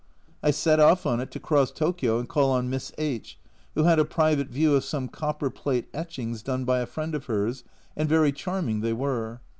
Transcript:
I set off on it to cross Tokio and call on Miss H , who had a private view of some copper plate etchings done by a friend of hers, and very charming they were.